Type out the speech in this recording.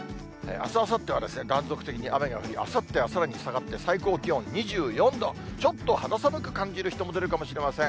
あす、あさっては断続的に雨が降り、あさってはさらに下がって、最高気温２４度、ちょっと肌寒く感じる人も出るかもしれません。